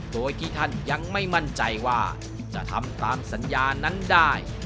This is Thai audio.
โดยที่ท่านยังไม่มั่นใจว่าจะทำตามสัญญานั้นได้